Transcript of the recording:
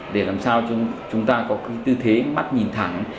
để làm sao chúng ta có cái tư thế mắt nhìn thẳng